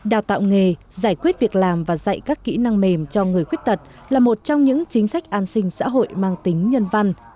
đào tạo nghề giải quyết việc làm và dạy các kỹ năng mềm cho người khuyết tật là một trong những chính sách an sinh xã hội mang tính nhân văn